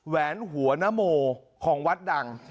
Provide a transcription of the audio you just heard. แหวนหัวนโมของวัดดัง